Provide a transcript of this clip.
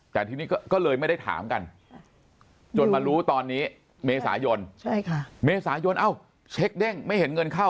แต่ทีนี้ก็เลยไม่ได้ถามกันจนมารู้ตอนนี้เมษายนเมษายนเอ้าเช็คเด้งไม่เห็นเงินเข้า